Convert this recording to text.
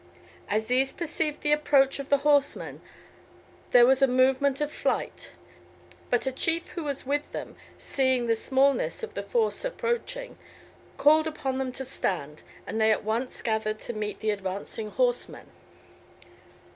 As these perceived the approach of the horsemen there was a movement of flight, but a chief who was with them, seeing the smallness of the force approaching, called upon them to stand, and they at once gathered to meet the advancing horsemen.